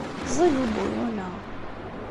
Ẓid ubuyun-a.